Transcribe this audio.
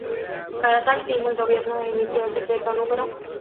Para tal fin el gobierno emitió el Decreto No.